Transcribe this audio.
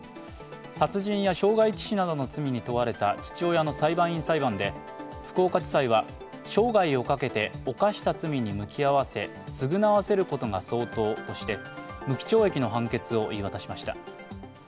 殺人や傷害致死などの罪に問われた父親の裁判員裁判で福岡地裁は、生涯をかけて犯した罪に向き合わせ償わせることが相当として、無期懲役の判決を言い渡しました。